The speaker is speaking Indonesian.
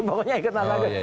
pokoknya ikut mas agus